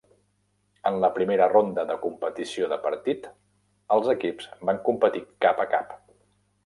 En la primera ronda de competició de partit, els equips van competir cap a cap.